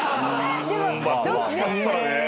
どっちかっつったらね。